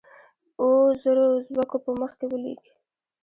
اوو زرو اوزبیکو په مخ کې ولیک.